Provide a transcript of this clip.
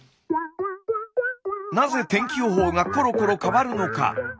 なぜ天気予報がコロコロ変わるのか。